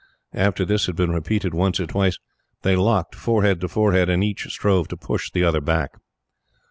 After this had been repeated once or twice, they locked forehead to forehead, and each strove to push the other back.